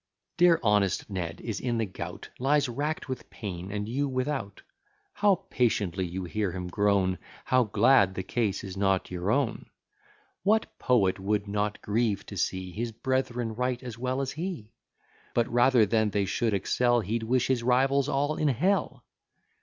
Dear honest Ned is in the gout, Lies rackt with pain, and you without: How patiently you hear him groan! How glad the case is not your own! What poet would not grieve to see His breth'ren write as well as he? But rather than they should excel, He'd wish his rivals all in hell.